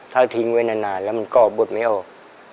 ถ้าทิ้งไว้นานแล้วมันก็บดไม่ออก